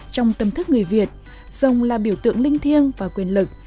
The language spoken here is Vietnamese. trong tâm thức người việt rồng là biểu tượng linh thiêng và quyền lực